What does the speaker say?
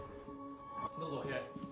どうぞお部屋へ。